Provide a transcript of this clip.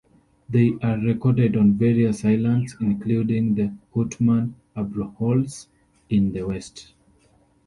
They are recorded on various islands, including the Houtman Abrolhos in the west.